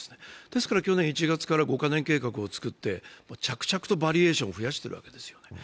ですから去年１月から５か年計画を作って着々とバリエーションを増やしているわけですよ。